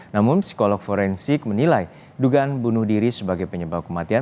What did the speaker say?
namun psikolog forensik menilai dugaan bunuh diri sebagai penyebab kematian